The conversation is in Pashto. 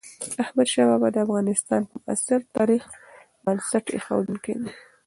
احمدشاه بابا د افغانستان د معاصر تاريخ بنسټ اېښودونکی دی.